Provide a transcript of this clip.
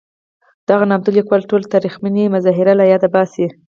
دغه نامتو لیکوال ټول تاریخمن مظاهر له یاده باسي.